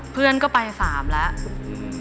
เพื่อนก็ไป๓แล้ว